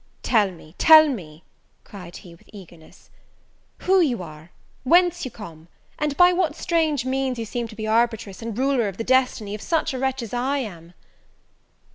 "Tell me, tell me," cried he, with eagerness, "who you are? whence you come? and by what strange means you seem to be arbitress and ruler of the destiny of such a wretch as I am?"